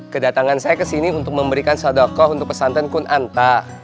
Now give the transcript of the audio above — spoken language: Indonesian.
kedatangan saya kesini untuk memberikan sodokoh untuk pesantren kunanta